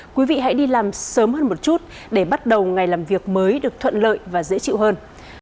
quý vị hãy đi làm sớm hơn một chút để bắt đầu ngày làm việc mới được thuận lợi và dễ chịu hơn